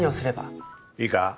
いいか？